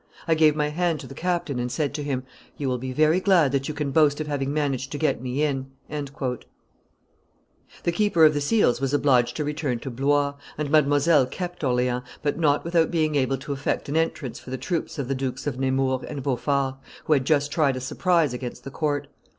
I gave my hand to the captain, and said to him, "You will be very glad that you can boast of having managed to get me in." [Illustration: The Great Mademoiselle 373] The keeper of the seals was obliged to return to Blois, and Mdlle. kept Orleans, but without being able to effect an entrance for the troops of the Dukes of Nemours and Beaufort, who had just tried a surprise against the court.